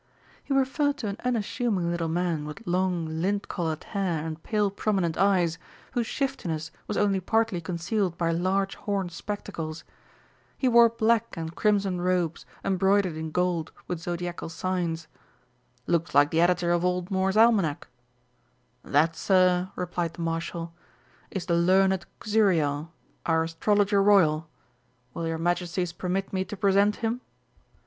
he referred to an unassuming little man with long, lint coloured hair and pale, prominent eyes, whose shiftiness was only partly concealed by large horn spectacles. He wore black and crimson robes embroidered in gold with Zodiacal signs. "Looks like the Editor of Old Moore's Almanack." "That, Sir," replied the Marshal, "is the learned Xuriel, our Astrologer Royal. Will your Majesties permit me to present him?"